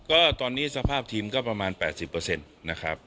ก็ตอนนี้สภาพทีมก็ประมาณ๘๐เปอร์เซ็นต์นะครับ